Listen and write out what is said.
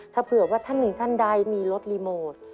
ถ้าเผื่อว่าท่านหนึ่งท่านใดมีรถรีโมท